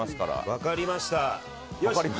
分かりました。